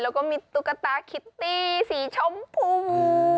แล้วก็มีตุ๊กตาคิตตี้สีชมพู